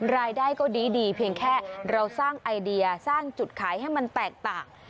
รายได้ก็ดีเพียงแค่เราสร้างไอเดียสร้างจุดขายให้มันแตกต่าง